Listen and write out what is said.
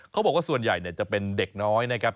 เขาบอกว่าส่วนใหญ่จะเป็นเด็กน้อยนะครับ